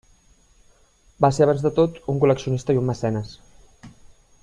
Va ser abans de tot un col·leccionista i un mecenes.